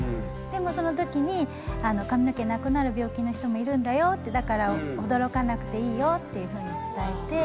でもそのときに髪の毛なくなる病気の人もいるんだよってだから驚かなくていいよっていうふうに伝えて。